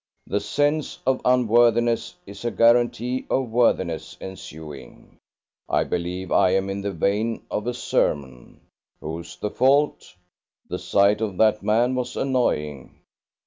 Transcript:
The sense of unworthiness is a guarantee of worthiness ensuing. I believe I am in the vein of a sermon! Whose the fault? The sight of that man was annoying.